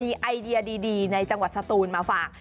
มีไอเดียดีในจังหวัดสตูนมาฝาก